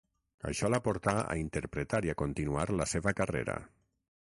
Això la portà a interpretar i a continuar la seva carrera.